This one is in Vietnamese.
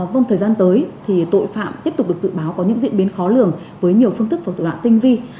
vâng thời gian tới thì tội phạm tiếp tục được dự báo có những diễn biến khó lường với nhiều phương thức và tội loạn tinh vi